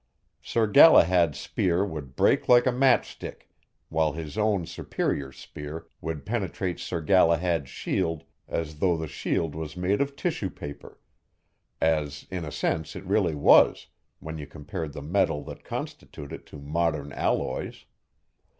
Sir Galahad's spear would break like a matchstick, while his own superior spear would penetrate Sir Galahad's shield as though the shield was made of tissue paper, as in a sense it really was when you compared the metal that constituted it to modern alloys.